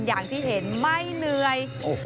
อย่างที่เห็นไม่เหนื่อย